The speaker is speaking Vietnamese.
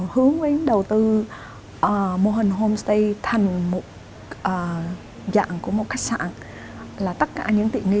hướng quyến đầu tư mô hình homestay thành một dạng của một khách sạn là tất cả những tiện nghi